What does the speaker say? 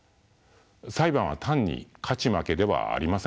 裁判は単に勝ち負けではありません。